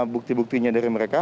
bukti buktinya dari mereka